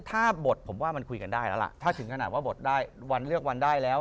ถ้าบทผมว่ามันคุยกันได้แล้วล่ะถ้าถึงขนาดว่าบทได้วันเลือกวันได้แล้ว